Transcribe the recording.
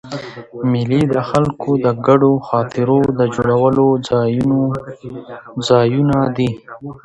مېلې د خلکو د ګډو خاطرو د جوړولو ځایونه دي.